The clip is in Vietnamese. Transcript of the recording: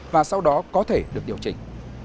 và sau đó có thể được điều chỉnh